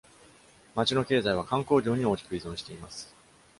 街の経済は観光業に大きく依存しています。